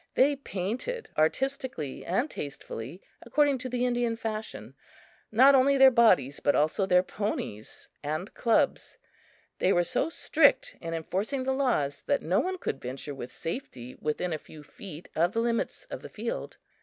They painted artistically and tastefully, according to the Indian fashion, not only their bodies but also their ponies and clubs. They were so strict in enforcing the laws that no one could venture with safety within a few feet of the limits of the field.